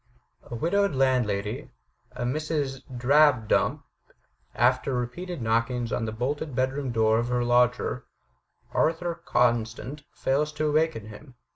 A widowed landlady, a Mrs. Drabdump, after repeated knockings on the bolted bedroom door of her lodger, Arthur Constant, fails to awaken him.